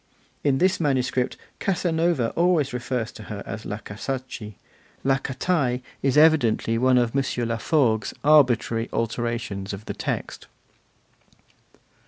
In this manuscript Casanova always refers to her as La Casacci; La Catai is evidently one of M. Laforgue's arbitrary alterations of the text.